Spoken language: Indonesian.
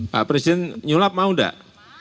pak presiden nyulap mau enggak